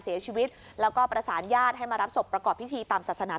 เสียชีวิตแล้วก็ประสานญาติให้มารับศพประกอบพิธีตามศาสนา